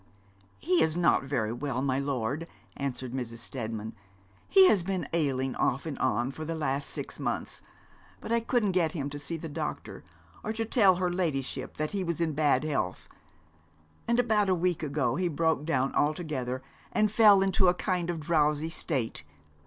'He is not very well, my lord,' answered Mrs. Steadman. 'He has been ailing off and on for the last six months, but I couldn't get him to see the doctor, or to tell her ladyship that he was in bad health. And about a week ago he broke down altogether, and fell into a kind of drowsy state.